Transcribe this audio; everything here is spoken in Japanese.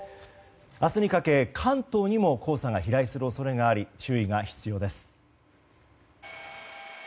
明日にかけ関東にも黄砂が飛来する恐れがあり注意が必要です。